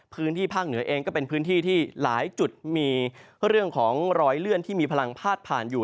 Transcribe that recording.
พื้นที่ภาคเหนือเองก็เป็นพื้นที่ที่หลายจุดมีเรื่องของรอยเลื่อนที่มีพลังพาดผ่านอยู่